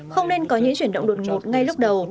không nên có những chuyển động đột ngột ngay lúc đầu